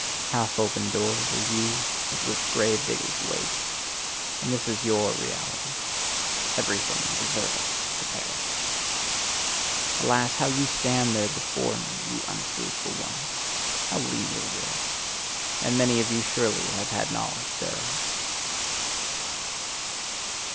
Half open doors are ye, at which grave diggers wait. And this is YOUR reality: "Everything deserveth to perish." Alas, how ye stand there before me, ye unfruitful ones; how lean your ribs! And many of you surely have had knowledge thereof.